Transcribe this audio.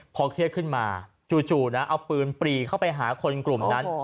พอเครียดขึ้นมาจู่นะเอาปืนปรีเข้าไปหาคนกลุ่มนั้น